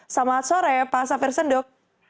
selamat sore pak safir senduk